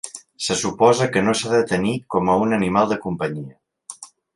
Se suposa que no s'ha de tenir com a un animal de companyia.